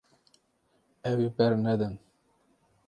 Ew ê bernedin.